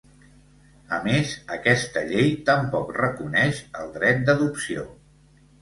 A més aquesta llei tampoc reconeix el dret d'adopció.